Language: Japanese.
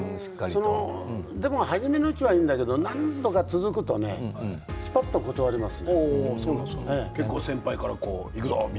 でも初めのうちはいいんだけど何度か続くとすぱっと断ります。